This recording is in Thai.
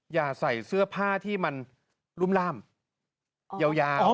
อย่าใส่เสื้อผ้าที่มันรุ่มล่ามยาว